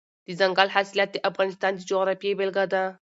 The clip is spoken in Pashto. دځنګل حاصلات د افغانستان د جغرافیې بېلګه ده.